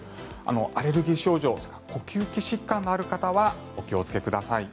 アレルギー症状呼吸器疾患がある方はお気をつけください。